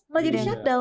mau jadi shutdown